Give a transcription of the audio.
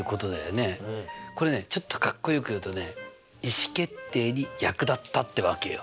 これねちょっとかっこよく言うとね意思決定に役立ったってわけよ。